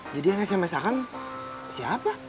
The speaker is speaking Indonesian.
jadi yang sms akan siapa